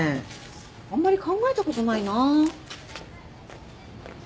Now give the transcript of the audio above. あんまり考えたことないな。